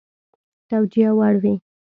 توجیه وړ وي.